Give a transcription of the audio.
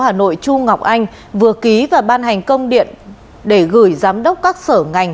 chủ tịch ubnd tp hà nội vừa ký và ban hành công điện để gửi giám đốc các sở ngành